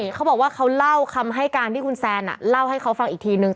เขาบอกว่าเขาเล่าคำให้การที่คุณแซนเล่าให้เขาฟังอีกทีนึง